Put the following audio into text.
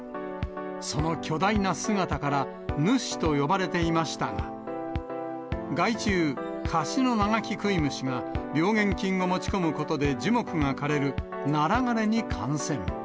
その巨大な姿から、主と呼ばれていましたが、害虫、カシノナガキクイムシが病原菌を持ち込むことで樹木が枯れる、ナラ枯れに感染。